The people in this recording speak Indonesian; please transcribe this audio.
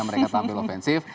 mereka tampil ofensif